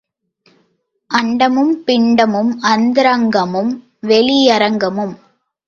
அண்டமும் பிண்டமும் அந்தரங்கமும் வெளியரங்கமும்.